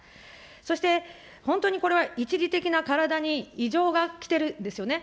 そして本当にこれは一時的な体に異常がきてるんですよね。